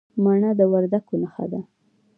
مڼه د وردګو نښه ده.